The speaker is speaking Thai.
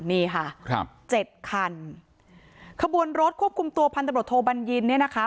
นี่ค่ะครับเจ็ดคันขบวนรถควบคุมตัวพันธบทโทบัญญินเนี่ยนะคะ